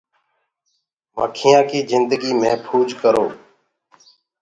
مکيآنٚ ڪي جنگي مهڦوج ڪرو۔